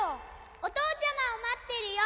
おとうちゃまをまってるよ。